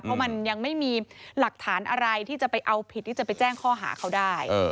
เพราะมันยังไม่มีหลักฐานอะไรที่จะไปเอาผิดที่จะไปแจ้งข้อหาเขาได้